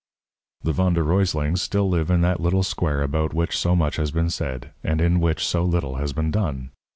The Von der Ruyslings still live in that little square about which so much has been said, and in which so little has been done.